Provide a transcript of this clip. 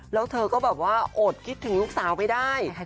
แล้วเธอก็แบบว่าอดคิดถึงลูกสาวไม่ได้